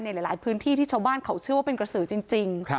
หลายพื้นที่ที่ชาวบ้านเขาเชื่อว่าเป็นกระสือจริง